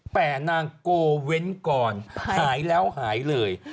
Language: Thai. แต่นางโกเว้นก่อนหายแล้วหายเลย